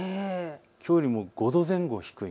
きょうよりも５度前後低い。